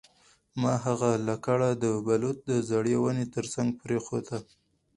ما هغه لکړه د بلوط د زړې ونې ترڅنګ پریښې ده